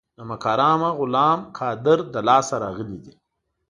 نمک حرامه غلام قادر له لاسه راغلي دي.